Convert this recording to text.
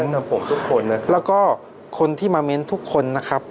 เพื่อนช่างทำผมทุกคนนะครับแล้วก็คนที่มาเม้นทุกคนนะครับ